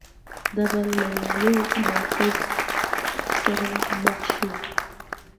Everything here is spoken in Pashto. دا به له یوه لوی تناقض سره مخ شي.